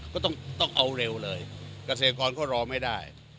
ก็ต้องเอาเร็วเลยเกษตรกรก็รอไม่ได้